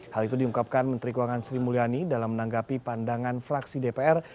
hal itu diungkapkan menteri keuangan sri mulyani dalam menanggapi pandangan fraksi dpr